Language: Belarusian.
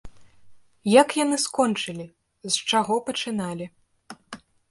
Як яны скончылі, з чаго пачыналі?